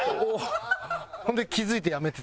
ほんで気付いてやめてた。